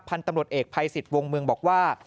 พันธุ์ตำรวจเอกภัยสิทธิ์วงเมืองบอกว่า